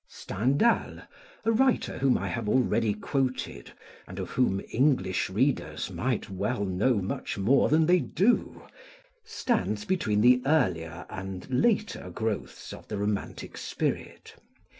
Stendhal, a writer whom I have already quoted, and of whom English readers might well know much more than they do, stands between the earlier and later growths of the romantic spirit.